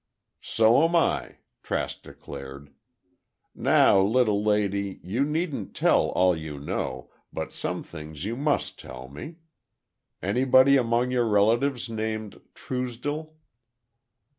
"So'm I," Trask declared. "Now, little lady, you needn't tell all you know, but some things you must tell me. Anybody among your relatives named Truesdell?"